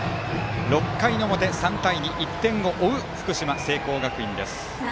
６回の表、３対２１点を追う福島・聖光学院。